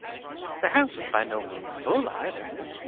The house was by no means full, either.